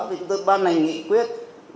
vì chúng tôi ban lành nghị quyết